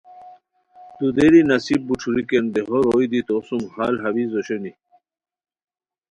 دودیری نصیب بوݯھوریکین دیہو روئے دی تو سُم ہال ہاویز اوشونی